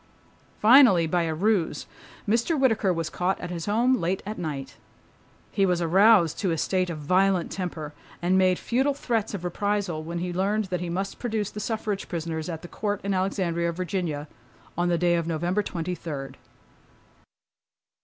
Finally by a ruse, Mr. Whittaker was caught at his home late at night. He was aroused to a state of violent temper and made futile threats of reprisal when he learned that he must produce the suffrage prisoners at the Court in Alexandria, Virginia, on the day of November twenty third.